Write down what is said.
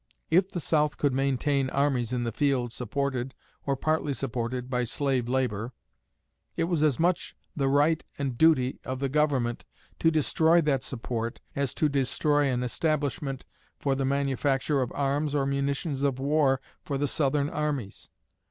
If the South could maintain armies in the field supported, or partly supported, by slave labor, it was as much the right and the duty of the Government to destroy that support as to destroy an establishment for the manufacture of arms or munitions of war for the Southern armies.